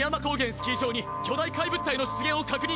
スキー場に巨大怪物体の出現を確認！